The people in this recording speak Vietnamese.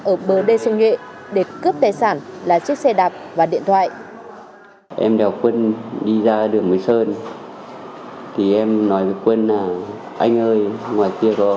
ở bình thuận hà nội